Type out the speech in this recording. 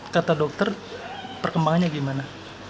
kata dokter perkembangannya gimana